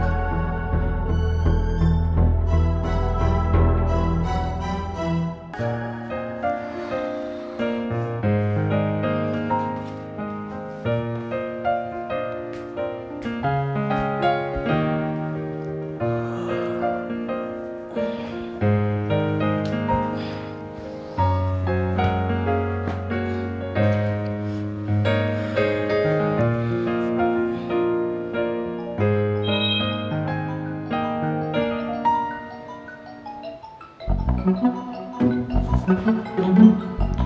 pasti dia panik banget